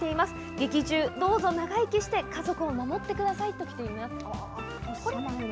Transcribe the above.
劇中どうぞ長生きして家族を守ってくださいときています。